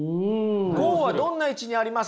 合はどんな位置にあります？